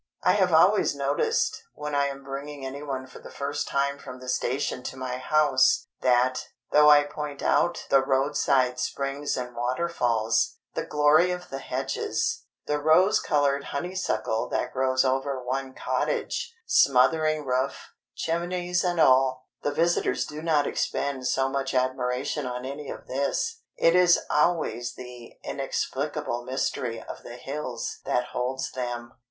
I have always noticed, when I am bringing anyone for the first time from the station to my house, that, though I point out the roadside springs and waterfalls, the glory of the hedges, the rose coloured honeysuckle that grows over one cottage, smothering roof, chimneys and all, the visitors do not expend so much admiration on any of this, it is always the inexplicable mystery of the hills that holds them.